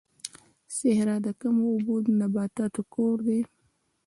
صحرا د کم اوبو نباتاتو کور دی